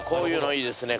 ああいいですね